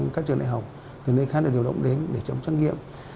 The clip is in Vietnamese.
các trường đại học từ nơi khác để điều động đến để chấm trắc nghiệm